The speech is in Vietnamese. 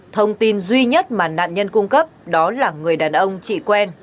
thông tin duy nhất mà nạn nhân cung cấp đó là người đàn ông chị quen